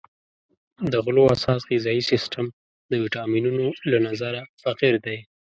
د غلو اساس غذایي سیستم د ویټامینونو له نظره فقیر دی.